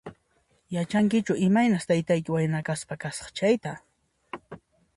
Yachankichu imaynas taytayki wayna kaspa kasqa chayta?